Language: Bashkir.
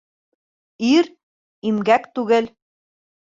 Ир имгәк түгел.